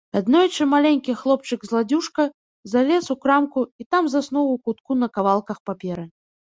Аднойчы маленькі хлопчык-зладзюжка залез у крамку і там заснуў у кутку на кавалках паперы.